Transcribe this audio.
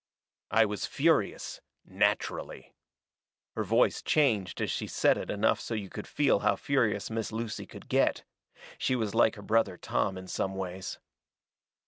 "I was furious NATURALLY." Her voice changed as she said it enough so you could feel how furious Miss Lucy could get. She was like her brother Tom in some ways.